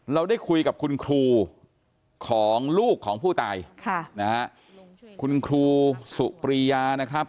เราได้คุยกับคุณครูของลูกของผู้ตายค่ะนะฮะคุณครูสุปรียานะครับ